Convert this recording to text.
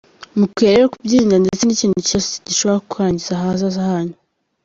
Mukwiye rero kubyirinda, ndetse n’ikindi kintu cyose gishobora kwangiza ahazaza hanyu".